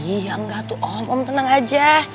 iya enggak tuh om om tenang aja